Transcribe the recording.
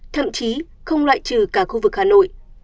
thậm chí không loại trừ cả khu vực hà nội